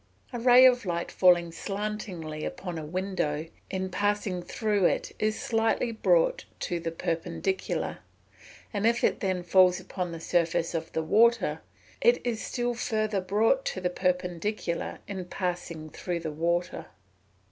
_ A ray of light falling slantingly upon a window, in passing through it is slightly brought to the perpendicular; and if it then falls upon the surface of water, it is still further brought to the perpendicular in passing through the water.